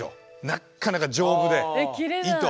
なっかなか丈夫で糸。